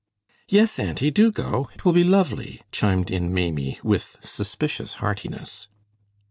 "Yes, auntie, do go! It will be lovely," chimed in Maimie, with suspicious heartiness.